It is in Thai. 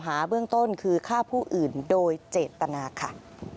เบื้องต้นคือฆ่าผู้อื่นโดยเจตนาค่ะ